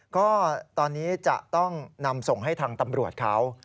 ก็ตอนนี้จะต้องนำส่งให้ทางตำรวจเขา